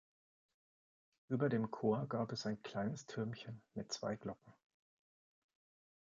Über dem Chor gab es ein kleines Türmchen mit zwei Glocken.